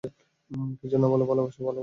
কিছু না বলে, ভালোবাসায় ভালোবাসা।